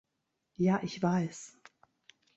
Ja, ich weiß.